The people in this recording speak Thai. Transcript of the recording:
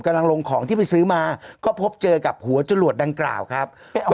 ลงของที่ไปซื้อมาก็พบเจอกับหัวจรวดดังกล่าวครับ